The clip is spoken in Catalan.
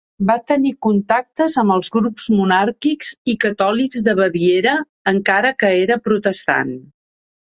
Va tenir contactes amb els grups monàrquics i catòlics de Baviera encara que era protestant.